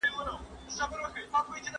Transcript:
انسان هم قطبنما کاروي.